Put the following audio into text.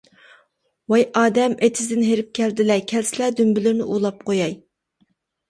ۋاي ئادەم، ئېتىزدىن ھېرىپ كەلدىلە كەلسىلە دۈمبىلىرىنى ئوۋلاپ قوياي.